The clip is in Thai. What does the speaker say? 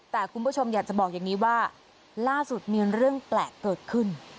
แต่คุณผู้ชมอยากจะบอกอย่างนี้ว่าล่าสุดมีเรื่องแปลกเกิดขึ้น